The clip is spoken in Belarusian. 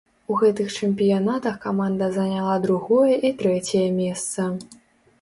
У гэтых чэмпіянатах каманда заняла другое і трэцяе месца.